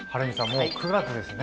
もう９月ですね。